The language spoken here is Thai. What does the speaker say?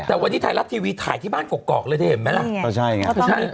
แต่วันนี้ถ่ายรับทีวีถ่ายที่บ้านกกอกเลยเธอเห็นไหมล่ะ